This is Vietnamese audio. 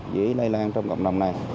dưới lây lan trong cộng đồng này